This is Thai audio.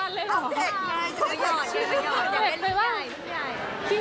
เอาเด็กง่ายจะได้หยอดจะได้เล่นใหญ่